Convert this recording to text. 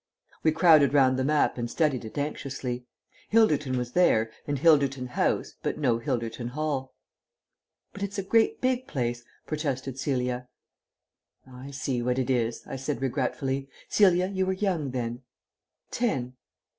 We crowded round the map and studied it anxiously. Hilderton was there, and Hilderton House, but no Hilderton Hall. "But it's a great big place," protested Celia. "I see what it is," I said regretfully. "Celia, you were young then." "Ten."